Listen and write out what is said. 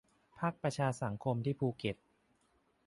ภาคประชาสังคมที่ภูเก็ต